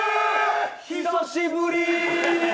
久しぶり。